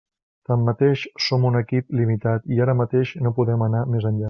Tanmateix, som un equip limitat i ara mateix no podem anar més enllà.